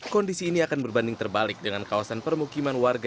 kondisi ini akan berbanding terbalik dengan kawasan permukiman warga